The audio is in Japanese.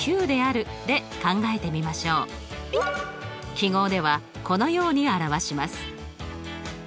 記号ではこのように表します。